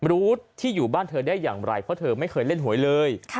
รู้ที่อยู่บ้านเธอได้อย่างไรเพราะเธอไม่เคยเล่นหวยเลย